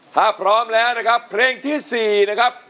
ถ้าพร้อมแล้วนะครับเพลงที่๔นะครับ